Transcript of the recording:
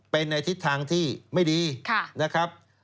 เป็นในทิศทางที่ไม่ดีนะครับ